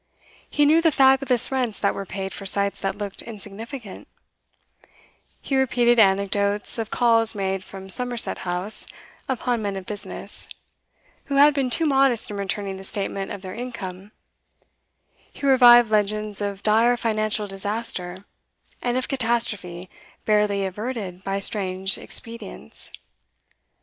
He knew the fabulous rents that were paid for sites that looked insignificant; he repeated anecdotes of calls made from Somerset House upon men of business, who had been too modest in returning the statement of their income; he revived legends of dire financial disaster, and of catastrophe barely averted by strange expedients.